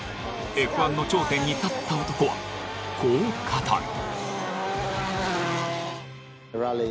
Ｆ１の頂点に立った男はこう語る。